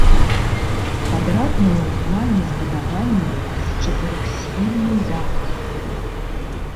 Квадратнае ў плане збудаванне з чатырохсхільным дахам.